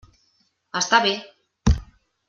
Està bé!